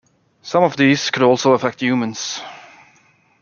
Some of these could also affect humans.